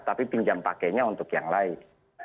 tapi pinjam pakainya untuk yang lain